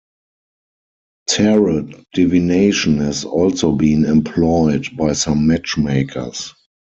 Tarot divination has also been employed by some matchmakers.